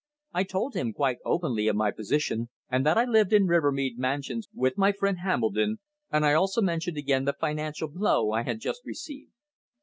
I told him quite openly of my position, and that I lived in Rivermead Mansions with my friend Hambledon; and I also mentioned again the financial blow I had just received.